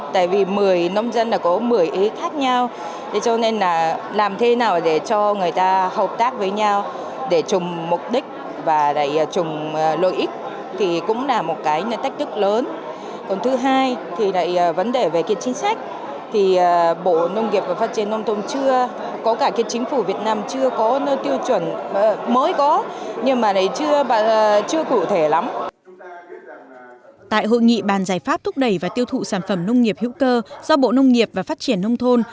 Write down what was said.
tại hội nghị bàn giải pháp thúc đẩy và tiêu thụ sản phẩm nông nghiệp hữu cơ do bộ nông nghiệp và phát triển nông thôn